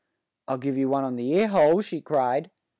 "I'll give you one on the ear hole," she cried.